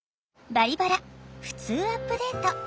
「バリバラふつうアップデート」。